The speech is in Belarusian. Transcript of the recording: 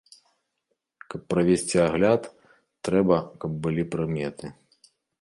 Каб правесці агляд, трэба, каб былі прыметы.